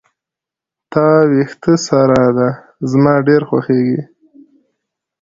د تا وېښته سره ده زما ډیر خوښیږي